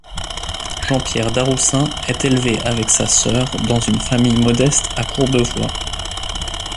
Jean-Pierre Darroussin est élevé avec sa sœur dans une famille modeste à Courbevoie.